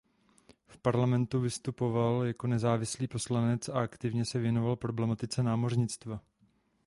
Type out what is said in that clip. V parlamentu vystupoval jako nezávislý poslanec a aktivně se věnoval problematice námořnictva.